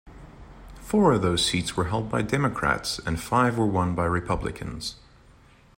Four of those seats were held by Democrats and five were won by Republicans.